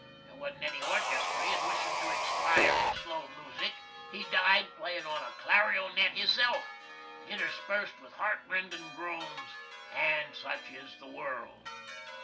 There wasn't any orchestry, and wishin' to expire to slow moosic, he died playin' on a claironett himself, interspersed with hart rendin' groans, & such is the world!